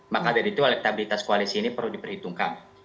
maka dari itu elektabilitas koalisi ini perlu diperhitungkan